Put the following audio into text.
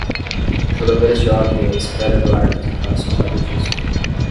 Jogadores de hóquei à espera do árbitro para soltar o disco